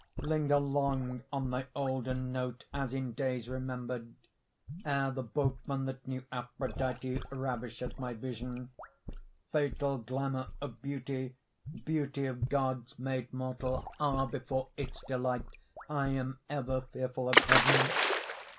Linger long on thy olden Note as in days remembered; Ere the Boatman that knew Aphrodite Ravished my vision. Fatal glamor of beauty, Beauty of Gods made mortal; Ah, before its delight I am ever Fearful of heaven.